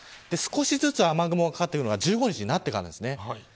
少しずつ雨雲がかかってくるのが１５日になってからです。